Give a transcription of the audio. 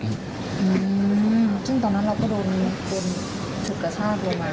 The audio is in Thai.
อืมซึ่งตอนนั้นเราก็โดนคนฉุดกระชากลงไป